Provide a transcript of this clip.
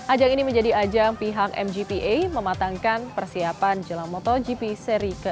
ajang ini menjadi ajang pihak mgpa mematangkan persiapan jalan motogp seri ke enam belas